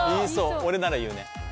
俺なら言うね。